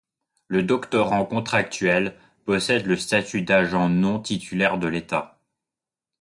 Le doctorant contractuel possède le statut d'agent non titulaire de l’État.